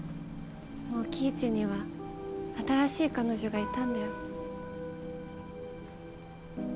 もう麒一には新しい彼女がいたんだよ。